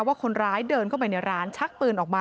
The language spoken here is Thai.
ว่าคนร้ายเดินเข้าไปในร้านชักปืนออกมา